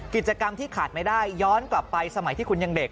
กิจกรรมที่ขาดไม่ได้ย้อนกลับไปสมัยที่คุณยังเด็ก